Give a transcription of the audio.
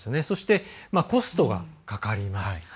そして、コストはかかります。